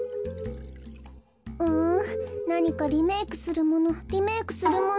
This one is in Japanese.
うんなにかリメークするものリメークするもの。